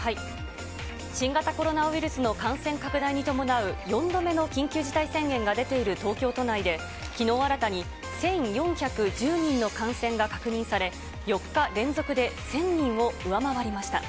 新型コロナウイルスの感染拡大に伴う４度目の緊急事態宣言が出ている東京都内できのう新たに１４１０人の感染が確認され、４日連続で１０００人を上回りました。